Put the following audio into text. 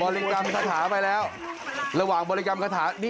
ริงกรรมคาถาไปแล้วระหว่างบริกรรมคาถา